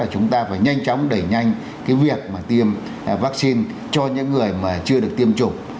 chúng ta phải nhanh chóng đẩy nhanh cái việc mà tiêm vaccine cho những người mà chưa được tiêm chủng